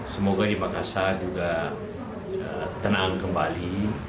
semoga di makassar juga tenang kembali